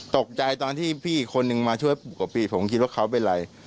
ตอนที่พี่อีกคนนึงมาช่วยปู่กับพี่ผมคิดว่าเขาเป็นไร